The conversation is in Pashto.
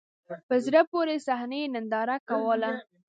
په زړه پوري صحنه یې نندارې ته کوله.